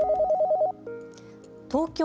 東京